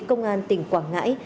công an tỉnh quảng ngãi